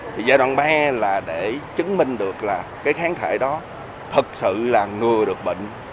thì giai đoạn ba là để chứng minh được là cái kháng thể đó thực sự là ngừa được bệnh